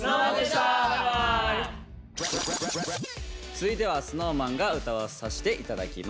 続いてはＳｎｏｗＭａｎが歌わさせて頂きます。